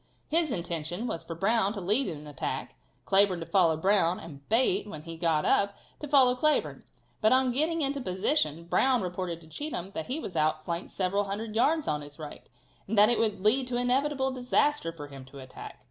His intention was for Brown to lead in an attack, Cleburne to follow Brown, and Bate, when he got up, to follow Cleburne. But on getting into position Brown reported to Cheatham that he was out flanked several hundred yards on his right, and that it would lead to inevitable disaster for him to attack.